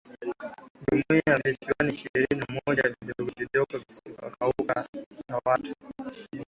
jumla ya visiwa ishirini na moja vidogo vidogo visivyokaliwa na watu